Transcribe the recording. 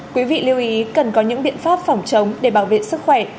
quý vị lưu ý cần có những biện pháp phòng chống để bảo vệ sức khỏe